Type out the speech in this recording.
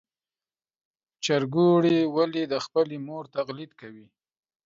چرګوړي ولې د خپلې مور تقلید کوي؟